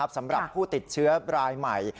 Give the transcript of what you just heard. สำหรับผู้ติดเชื้อรายใหม่